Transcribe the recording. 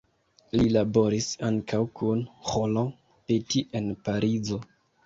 Li laboris ankaŭ kun Roland Petit en Parizo.